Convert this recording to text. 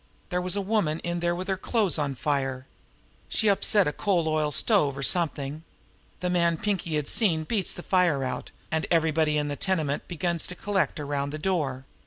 There was a woman in there with her clothes on fire. She'd upset a coal oil stove, or something. The man Pinkie had seen beats the fire out, and everybody in the tenement begins to collect around the door.